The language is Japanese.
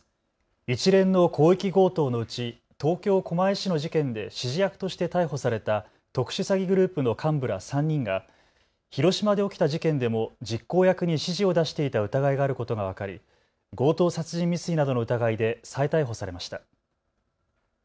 一連の広域強盗のうち東京狛江市の事件で指示役として逮捕された特殊詐欺グループの幹部ら３人が広島で起きた事件でも実行役に指示を出していた疑いがあることが分かり強盗殺人未遂などの疑いで再逮捕されました。